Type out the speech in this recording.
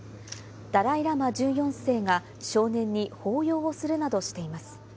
ダライ・ラマ１４世が少年に抱擁をするなどしています。